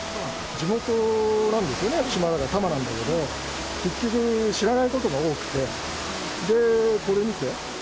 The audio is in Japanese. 地元なんですよね、多摩なんだけど、結局知らないことが多くて、で、これ見て。